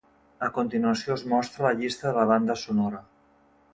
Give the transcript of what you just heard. A continuació es mostra la llista de la banda sonora.